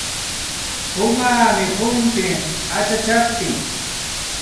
Umaami humpin achachaptin.